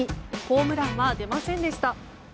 ホームランは出ませんでした。